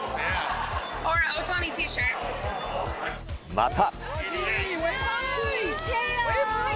また。